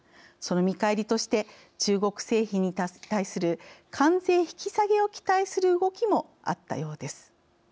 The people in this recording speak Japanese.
その見返りとして中国製品に対する関税引き下げを期待する動きもあったようです。